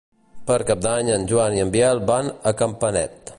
Per Cap d'Any en Joan i en Biel van a Campanet.